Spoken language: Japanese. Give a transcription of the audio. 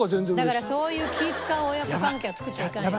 だからそういう気ぃ使う親子関係は作っちゃいかんよ。